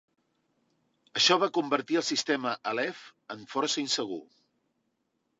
Això va convertir el sistema Aleph en força insegur.